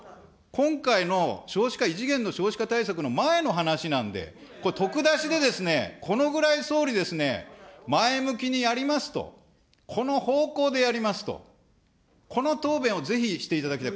今回の少子化、異次元の少子化対策の前の話なんで、これ、とくだしで、このぐらい、総理ですね、前向きにやりますと、この方向でやりますと、この答弁をぜひしていただきたい。